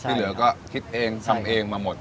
ที่เหลือก็คิดเองทำเองมาหมด